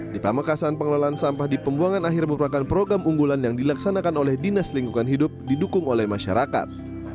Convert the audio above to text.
di pamekasan pengelolaan sampah di pembuangan akhir merupakan program unggulan yang dilaksanakan oleh dinas lingkungan hidup didukung oleh masyarakat